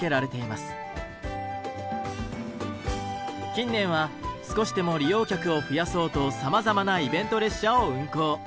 近年は少しでも利用客を増やそうとさまざまなイベント列車を運行。